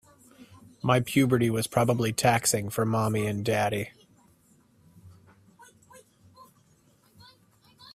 My puberty was probably taxing for mommy and daddy.